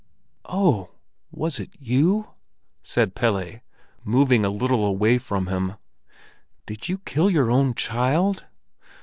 "Oh, was it you?" said Pelle, moving a little away from him. "Did you kill your own child?